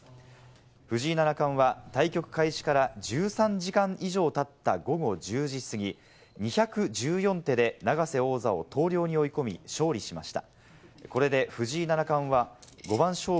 藤井七冠は対局開始から１３時間以上たった午後１０時過ぎ、２１４手で永瀬王座を投了に追い込み、勝利しました。